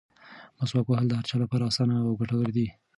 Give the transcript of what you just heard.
مسواک وهل د هر چا لپاره اسانه او ګټور دي.